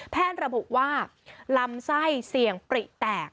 ระบุว่าลำไส้เสี่ยงปริแตก